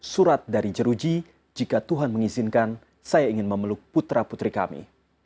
surat dari jeruji jika tuhan mengizinkan saya ingin memeluk putra putri kami